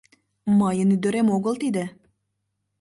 Мыйын ӱдырем огыл тиде